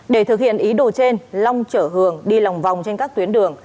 để thực hiện ý đồ trên long chở hường đi lòng vòng trên các tuyến đường